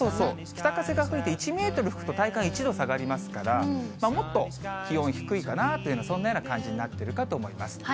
北風が吹いて、１メートル吹くと体感１度下がりますから、もっと気温低いかなと、そんなような感じになってるかと思います。